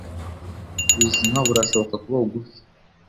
ubuzima burashobora kuba bugufi